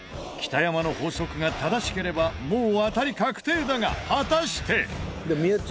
北山の法則が正しければもう当たり確定だが果たして。